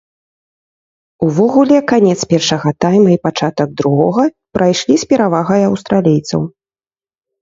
Увогуле, канец першага тайма і пачатак другога прайшлі з перавагай аўстралійцаў.